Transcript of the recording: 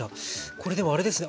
これでもあれですね。